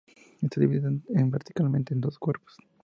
Está dividida verticalmente en dos cuerpos.